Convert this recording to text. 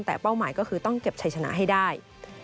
แต่เป้าหมายก็คือต้องเก็บชัยชนะให้ได้